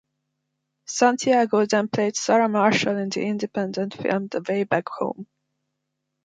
Santiago then played Sarah Marshall in the independent film "The Way Back Home".